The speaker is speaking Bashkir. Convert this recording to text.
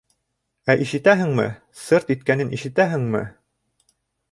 — Ә ишетәһеңме, сырт иткәнен ишетәһеңме?!